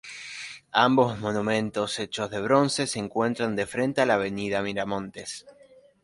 Ambos monumentos hechos de bronce, se encuentran de frente a la avenida Miramontes.